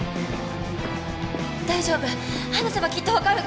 大丈夫話せばきっとわかるから。